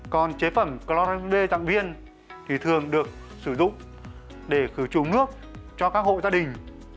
còn chế phẩm cloramine b dạng viên thì thường được sử dụng để khử trùng nước cho các hộ gia đình